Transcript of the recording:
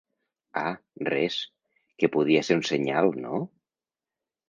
Ah, res, que podia ser un senyal, no?